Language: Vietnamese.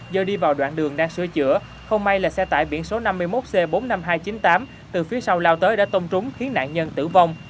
đoạn đường đang sửa chữa không may là xe tải biển số năm mươi một c bốn mươi năm nghìn hai trăm chín mươi tám từ phía sau lao tới đã tôn trúng khiến nạn nhân tử vong